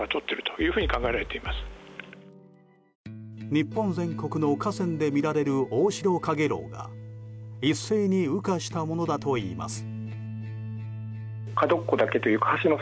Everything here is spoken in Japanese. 日本全国の河川で見られるオオシロカゲロウが一斉に羽化したものだといいます。